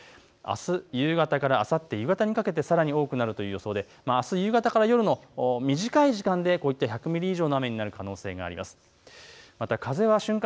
あす夕方からあさって夕方にかけてさらに多くなるという予想であす夕方から夜の短い時間で１００ミリ以上の雨になる可能性があります。